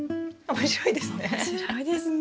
面白いですね